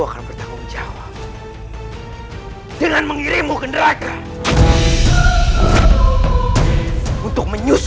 apa yang telah terjadi setelah kamu phogyos